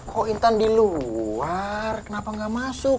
kok intan di luar kenapa nggak masuk